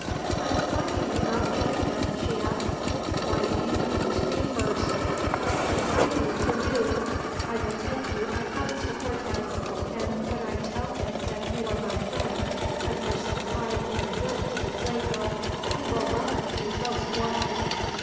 "But why do you not join them?" she asked. "Why do you come to me first? What can I do for you? I will take you at once to Cortez, and when I tell him that you were my friend, and were so kind and good to the slave girl, he will welcome you most warmly."